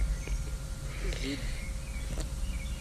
Zzi-d!